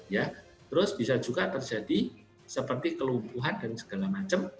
ya terus bisa juga terjadi seperti kelumpuhan dan segala macam